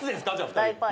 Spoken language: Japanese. ２人。